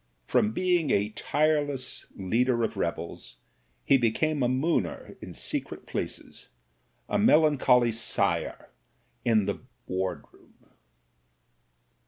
From being a tireless leader of revels, he became a mooner in secret places, a melancholy sigher in the wardroom.